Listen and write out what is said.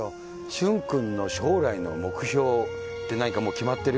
駿君の将来の目標って何かもう、決まってる？